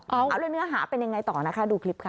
เอาแล้วเนื้อหาเป็นยังไงต่อนะคะดูคลิปค่ะ